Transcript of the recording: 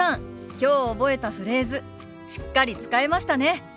きょう覚えたフレーズしっかり使えましたね。